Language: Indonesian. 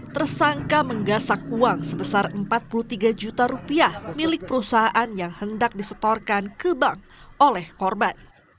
tersangka menggasak uang sebesar empat puluh tiga juta rupiah milik perusahaan yang hendak disetorkan ke bank oleh korban